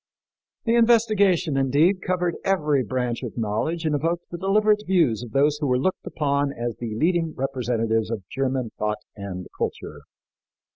The investigation, indeed, covered every branch of knowledge and evoked the deliberate views of those who were looked upon as the leading representatives of German thought and culture.